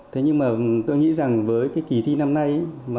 thế nhưng mà tôi nghĩ rằng với cái kỳ thi năm nay